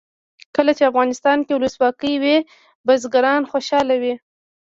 کله چې افغانستان کې ولسواکي وي بزګران خوشحاله وي.